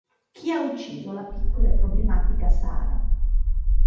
Chi ha ucciso la piccola e problematica Sara?